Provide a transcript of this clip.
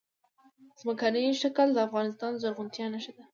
ځمکنی شکل د افغانستان د زرغونتیا نښه ده.